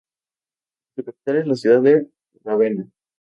Su capital es la ciudad de Rávena.